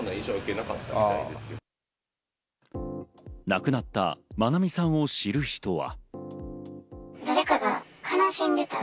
亡くなった愛美さんを知る人は。